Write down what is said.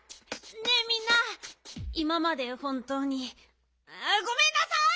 ねえみんないままで本とうにごめんなさい！